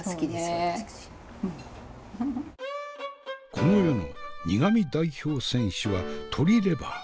この世の苦味代表選手は鶏レバー。